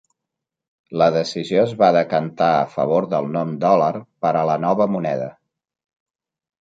La decisió es va decantar a favor del nom "dòlar" per a la nova moneda.